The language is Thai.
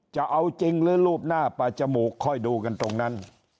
จะเอาจริงหรือรูปหน้าป่าจมูกค่อยดูกันตรงนั้น